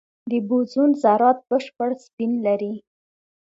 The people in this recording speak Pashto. د بوزون ذرات بشپړ سپین لري.